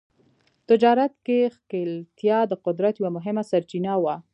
تجارت کې ښکېلتیا د قدرت یوه مهمه سرچینه وه.